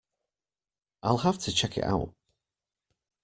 I’ll have to check it out.